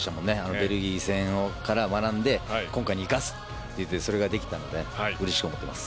ベルギー戦から学んで今回に生かすと言ってそれができたのでうれしく思っています。